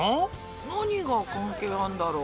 何が関係あんだろ？